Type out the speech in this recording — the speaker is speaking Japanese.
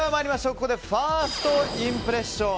ここでファーストインプレッション。